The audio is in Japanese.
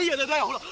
ほら！